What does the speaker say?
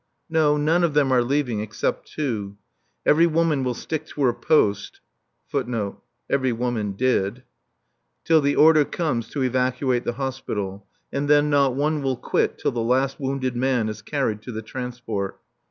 No, none of them are leaving except two. Every woman will stick to her post till the order comes to evacuate the hospital, and then not one will quit till the last wounded man is carried to the transport.